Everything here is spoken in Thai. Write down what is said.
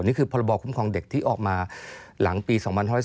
นี่คือพรบคุ้มครองเด็กที่ออกมาหลังปี๒๕๔